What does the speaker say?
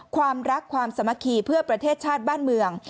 ความรักความสามัคคีเพื่อประเทศชาติบ้านเมือง